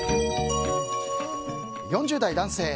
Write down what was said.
４０代男性。